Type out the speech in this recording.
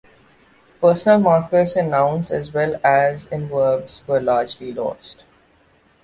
Personal markers in nouns as well as in verbs were largely lost.